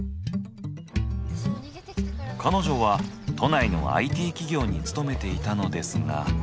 彼女は都内のＩＴ企業に勤めていたのですが。